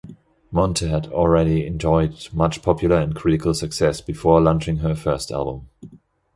Monte had already enjoyed much popular and critical success before launching her first album.